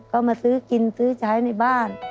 ก็มาซื้อกินซื้อใช้ในบ้าน